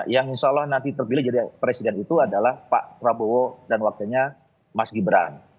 yang insya allah nanti terpilih jadi presiden itu adalah pak prabowo dan wakilnya mas gibran